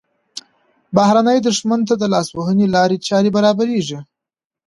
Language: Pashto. بهرني دښمن ته د لاسوهنې لارې چارې برابریږي.